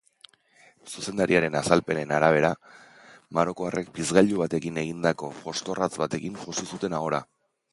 Zuzendariaren azalpenen arabera, marokoarrek pizgailu batekin egindako jostorratz batekin josi zuten ahora.